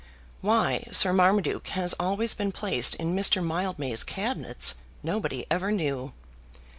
Why Sir Marmaduke has always been placed in Mr. Mildmay's Cabinets nobody ever knew.